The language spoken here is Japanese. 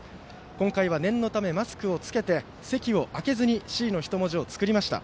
今回は念のためマスクを着けて席を空けずに「Ｃ」の人文字を作りました。